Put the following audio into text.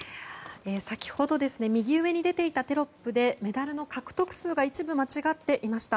先ほど、右上に出ていたテロップでメダルの獲得数が一部間違っていました。